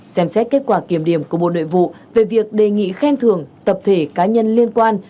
xem xét kết quả kiểm điểm của bộ nội vụ về việc đề nghị khen thưởng tập thể cá nhân liên quan